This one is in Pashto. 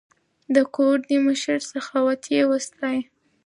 د کوردي مشر سخاوت یې وستایه.